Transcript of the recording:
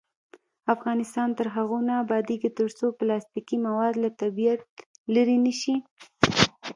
افغانستان تر هغو نه ابادیږي، ترڅو پلاستیکي مواد له طبیعت لرې نشي.